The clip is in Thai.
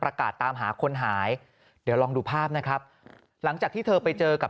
ตามหาคนหายเดี๋ยวลองดูภาพนะครับหลังจากที่เธอไปเจอกับ